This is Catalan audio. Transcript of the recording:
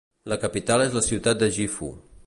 La capital és la ciutat de Gifu.